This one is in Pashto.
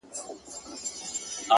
پدرلعنته حادثه ده او څه ستا ياد دی;